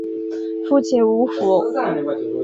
父亲吴甫。